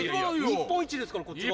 日本一ですからこっちは。